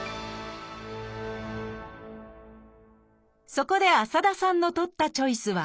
そこで浅田さんの取ったチョイスは？